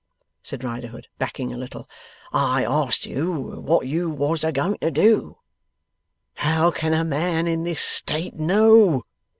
said Riderhood, backing a little. 'I asked you wot you wos a going to do.' 'How can a man in this state know?